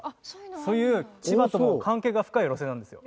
そういう千葉とも関係が深い路線なんですよ。